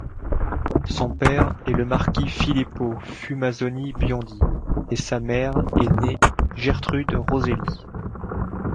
Son père est le marquis Filippo Fumasoni-Biondi et sa mère est née Gertrude Roselli.